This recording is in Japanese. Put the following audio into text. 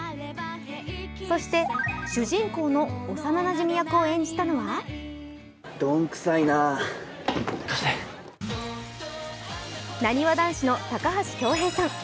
そして、主人公の幼なじみ役を演じたのはなにわ男子の高橋恭平さん。